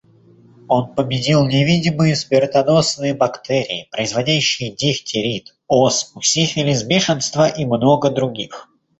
Он победил невидимые смертоносные бактерии, производящие дифтерит, оспу, сифилис, бешенство и много других.